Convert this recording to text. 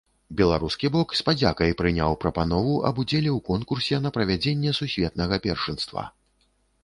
Беларускі бок з падзякай прыняў прапанову аб удзеле ў конкурсе на правядзенне сусветнага першынства.